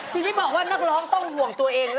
ทีนี้บอกว่านักร้องต้องห่วงตัวเองนะ